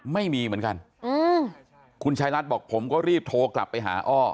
ไม่มีเหมือนกันคุณชายรัฐบอกผมก็รีบโทรกลับไปหาอ้อ